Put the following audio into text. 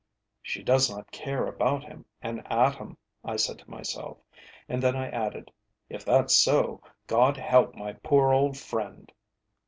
"She does not care about him an atom," I said to myself; and then I added, "if that's so, God help my poor old friend!"